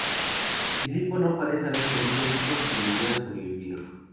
Filipo no parece haber tenido hijos que le hubieran sobrevivido.